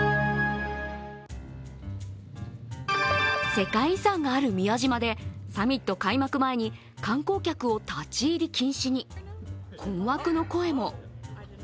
世界遺産がある宮島でサミット開幕前に観光客を立入禁止に、困惑の声も。